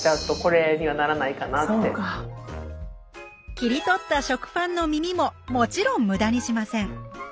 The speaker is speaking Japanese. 切り取った食パンのみみももちろん無駄にしません。